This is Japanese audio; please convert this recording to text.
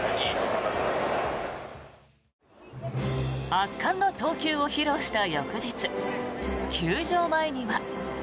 圧巻の投球を披露した翌日球場前には。